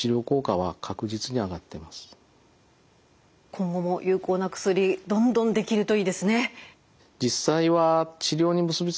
今後も有効な薬どんどんできるといいですね。